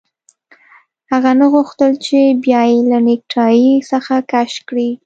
هغه نه غوښتل چې بیا یې له نیکټايي څخه کش کړي